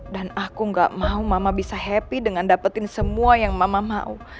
dan aku gak mau mama bisa happy dengan dapetin semua yang mama mau